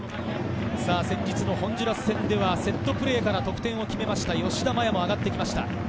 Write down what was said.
先日のホンジュラス戦ではセットプレーから得点を決めた吉田麻也も上がってきました。